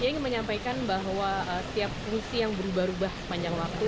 dia ingin menyampaikan bahwa setiap fungsi yang berubah ubah sepanjang waktu